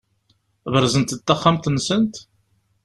Berzent-d taxxamt-nsent?